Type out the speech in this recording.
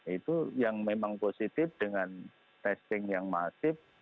itu yang memang positif dengan testing yang masif